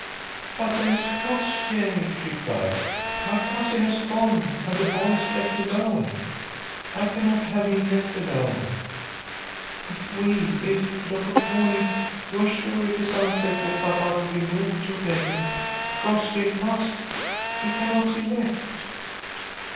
"But there is Crossjay," she cried. "My cousin has gone, and the boy is left alone. I cannot have him left alone. If we, if, Dr. Corney, you are sure it is unsafe for papa to be moved to day, Crossjay must ... he cannot be left."